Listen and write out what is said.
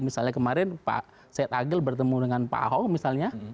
misalnya kemarin pak said agil bertemu dengan pak ahok misalnya